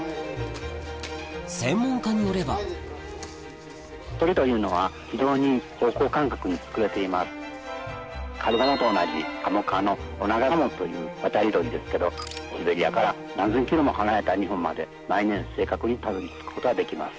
専門家によればカルガモと同じカモ科のオナガガモという渡り鳥ですけどシベリアから何千ｋｍも離れた日本まで毎年正確にたどり着くことができます。